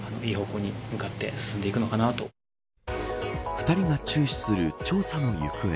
２人が注視する調査の行方。